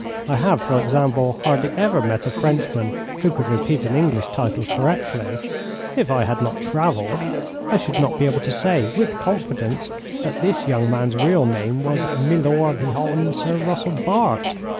I have, for example, hardly ever met a Frenchman who could repeat an English title correctly. If I had not travelled I should not be able to say with confidence that this young man's real name was Milor the Hon. Sir Russell, Bart.